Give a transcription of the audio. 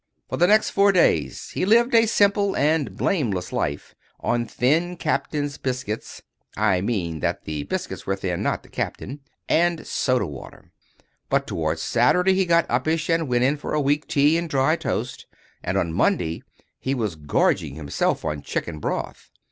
For the next four days he lived a simple and blameless life on thin captain's biscuits (I mean that the biscuits were thin, not the captain) and soda water; but, towards Saturday, he got uppish, and went in for weak tea and dry toast, and on Monday he was gorging himself on chicken broth.